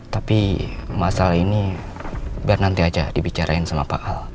tapi masalah ini biar nanti aja dibicarain sama pak hal